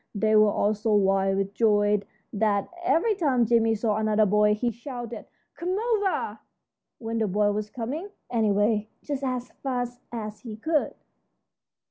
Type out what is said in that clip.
They were all so wild with joy that every time Jimmie saw another boy he shouted, "Come over!" when the boy was coming, anyway, just as fast as he could.